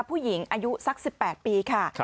ผู้หญิงอายุสัก๑๘ปีค่ะ